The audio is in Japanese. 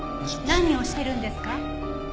何をしてるんですか？